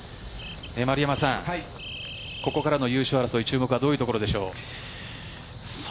丸山さん、ここからの優勝争い注目はどういうところでしょう。